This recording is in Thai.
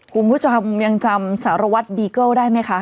คุณผู้ชมยังจำสารวัตรบีเกิลได้ไหมคะ